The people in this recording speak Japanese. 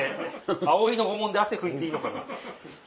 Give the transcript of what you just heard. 葵の御紋で汗拭いていいのかな。